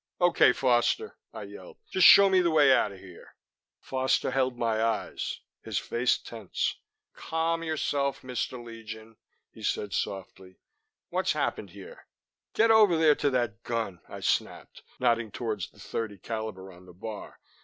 "OK, Foster!" I yelled. "Just show me the way out of here." Foster held my eyes, his face tense. "Calm yourself, Mr. Legion," he said softly. "What's happened here?" "Get over there to that gun," I snapped, nodding toward the .30 calibre on the bar.